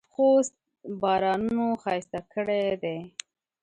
خوست بارانونو ښایسته کړی دی.